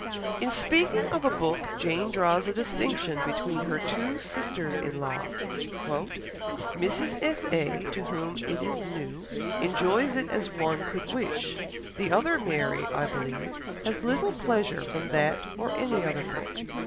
In speaking of a book Jane draws a distinction between her two sisters in law, "Mrs. F. A., to whom it is new, enjoys it as one could wish, the other Mary, I believe, has little pleasure from that or any other book."